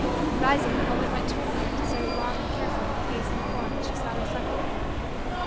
Rising, the woman went to her mirror to study long and carefully the face and form that she saw reflected there.